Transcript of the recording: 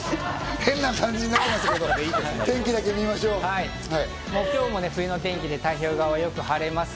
変な感じになってますけど、今日も冬の天気、太平洋側はよく晴れます。